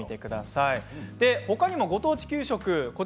他にもご当地給食。